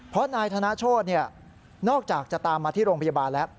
เพราะนายธนโชธนอกจากจะตามมาที่โรงพยาบาลแล้ว